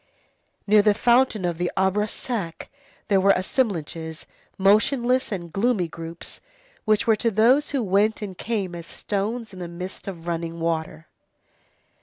Near the fountain of the Arbre Sec, there were "assemblages", motionless and gloomy groups which were to those who went and came as stones in the midst of running water.